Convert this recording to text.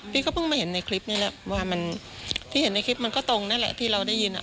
พี่ก็เพิ่งมาเห็นในคลิปนี้แหละว่ามันที่เห็นในคลิปมันก็ตรงนั่นแหละที่เราได้ยินอ่ะ